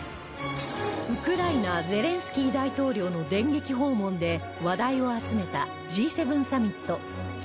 ウクライナゼレンスキー大統領の電撃訪問で話題を集めた Ｇ７ サミット